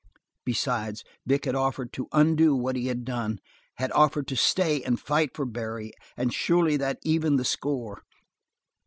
Besides, Vic had offered to undo what he had done, had offered to stay and fight for Barry, and surely that evened the score!